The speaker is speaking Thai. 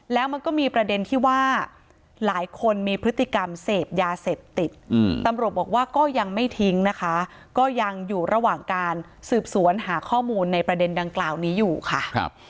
แล้วมันก็มีประเด็นที่ว่าหลายคนมีพฤติกรรมเสพยาเสพติดตำรวจบอกว่าก็ยังไม่ทิ้งนะคะก็ยังอยู่ระหว่างการสืบสวนหาข้อมูลในประเด็นดังกล่าวนี้อยู่ค่ะ